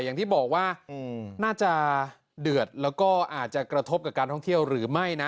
อย่างที่บอกว่าน่าจะเดือดแล้วก็อาจจะกระทบกับการท่องเที่ยวหรือไม่นะ